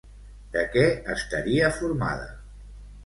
De què estaria formada?